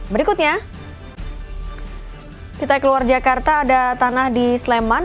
berikutnya kita keluar jakarta ada tanah di sleman